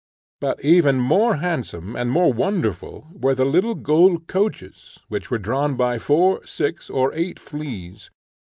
But even more handsome and more wonderful were the little gold coaches, which were drawn by four, six, or eight fleas.